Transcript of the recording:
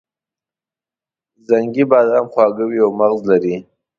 زنګي بادام خواږه وي او مغز لري.